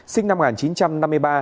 sinh năm một nghìn chín trăm năm mươi ba